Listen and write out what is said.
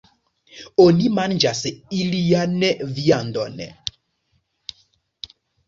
Oni manĝas ilian viandon.